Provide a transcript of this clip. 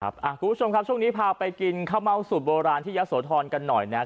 คุณผู้ชมครับช่วงนี้พาไปกินข้าวเม่าสูตรโบราณที่ยะโสธรกันหน่อยนะครับ